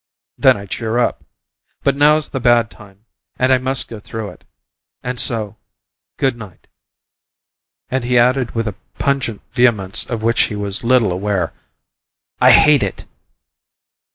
Then I cheer up. But now's the bad time and I must go through it, and so good night." And he added with a pungent vehemence of which he was little aware, "I hate it!"